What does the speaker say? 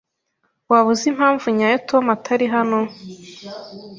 Waba uzi impamvu nyayo Tom atari hano?